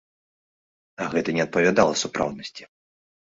А гэта не адпавядала сапраўднасці.